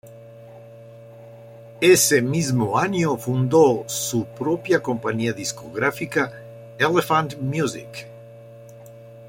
Ese mismo año fundó su propia compañía discográfica Elephant Music.